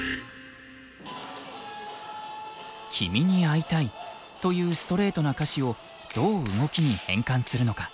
「きみにアイタイ」というストレートな歌詞をどう動きに変換するのか。